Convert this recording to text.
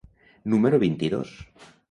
número vint-i-dos.